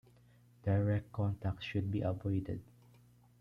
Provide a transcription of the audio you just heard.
Direct contact should be avoided.